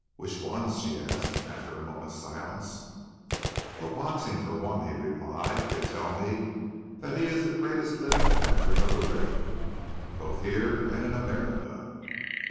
"Which ones?" she asked, after a moment's silence. "Well, boxing for one," he replied. "They tell me that he is the greatest living patron of the ring, both here and in America."